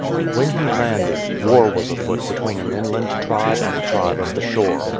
When he landed, war was afoot between an inland tribe and a tribe of the shore.